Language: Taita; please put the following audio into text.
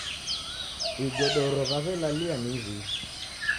Igodoro w'aw'elalia ni iw'ishi.